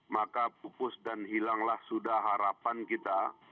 maka pupus dan hilanglah sudah harapan kita